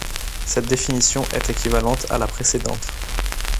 Cette définition est équivalente à la précédente.